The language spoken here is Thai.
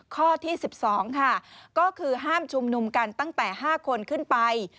ข้อที่๑๒ค่ะก็คือห้ามชุมนุมกันตั้งแต่๕คนขึ้นไป